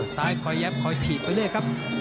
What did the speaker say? สายขยับกล่อถือก็เลยครับ